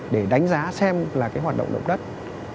để đánh giá xem là cái hoạt động động đất nó ở mức nào